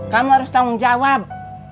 kamu harus tanggung jawab